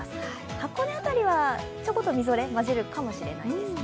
箱根辺りはちょこっとみぞれが混じるかもしれないですね。